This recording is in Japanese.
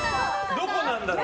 どこなんだろう。